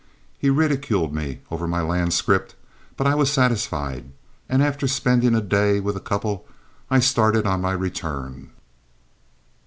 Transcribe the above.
He ridiculed me over my land scrip, but I was satisfied, and after spending a day with the couple I started on my return.